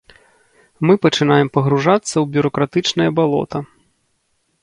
Мы пачынаем пагружацца ў бюракратычнае балота.